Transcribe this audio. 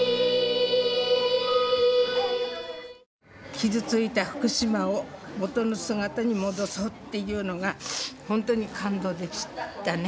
「傷ついた福島をもとの姿にもどそう」っていうのが本当に感動でしたね。